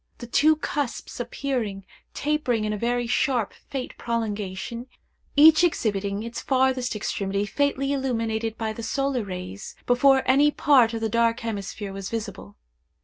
The two cusps appeared tapering in a very sharp faint prolongation, each exhibiting its farthest extremity faintly illuminated by the solar rays, before any part of the dark hemisphere was visible.